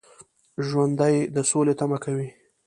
ژوندي د سولې تمه کوي